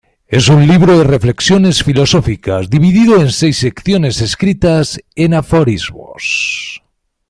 Es un libro de reflexiones filosóficas dividido en seis secciones escritas en aforismos.